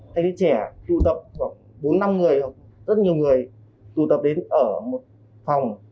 thanh niên trẻ tụ tập khoảng bốn năm người rất nhiều người tụ tập đến ở một phòng